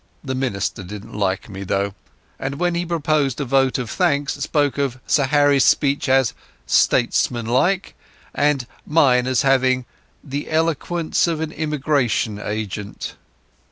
The minister didn't like me, though, and when he proposed a vote of thanks, spoke of Sir Harry's speech as "statesmanlike" and mine as having "the eloquence of an emigration agent."